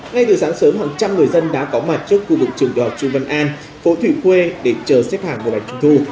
ngay từ sáng sớm hàng trăm người dân đã có mặt trước khu vực trường học trung công an phố thủy khuê để chờ xếp hàng mua bánh trung thu